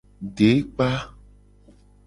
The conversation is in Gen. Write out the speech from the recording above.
Dekpa.